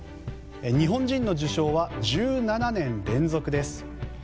日本人の受賞は１７年連続です。